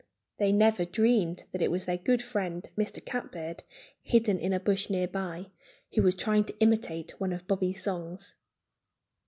They never dreamed that it was their good friend, Mr. Catbird, hidden in a bush near by, who was trying to imitate one of Bobby's songs.